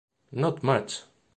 Not much.